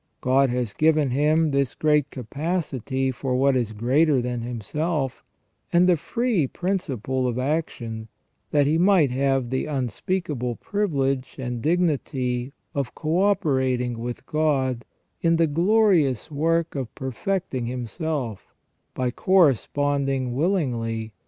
God has given him this great capacity for what is greater than himself, and the free principle of action, that he might have the unspeakable privilege and dignity of co operating with God in the glorious work of perfecting himself, by corresponding willingly WIfV MAN WAS NOT CREATED PERFECT.